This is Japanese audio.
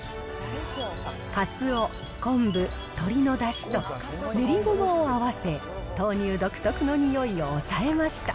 カツオ、昆布、鶏のだしと、練りごまを合わせ、豆乳独特のにおいを抑えました。